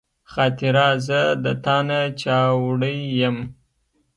خاطره زه د تا نه چاوړی یم